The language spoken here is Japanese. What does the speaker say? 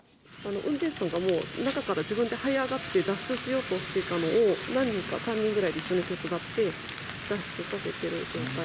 運転手さんがもう、中から自分ではい上がって、脱出しようとしていたのを、何人か、３人ぐらいで一緒に手伝って、脱出させてる状態。